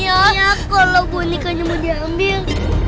iya kalau bonekanya mau diambil